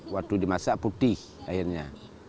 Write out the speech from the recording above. waktu dimasak putih airnya